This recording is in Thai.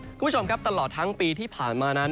คุณผู้ชมครับตลอดทั้งปีที่ผ่านมานั้น